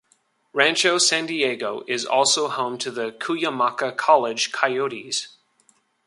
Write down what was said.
Rancho San Diego is also home to the Cuyamaca College Coyotes.